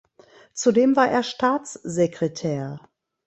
Zudem war er Staatssekretär.